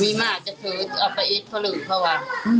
มีมากจะเธอเอาไปเอ็ดพลึกเพราะว่า